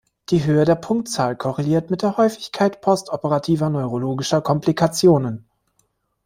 Die Höhe der Punktzahl korreliert mit der Häufigkeit postoperativer neurologischer Komplikationen.